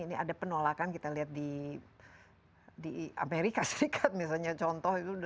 ini ada penolakan kita lihat di amerika serikat misalnya contoh itu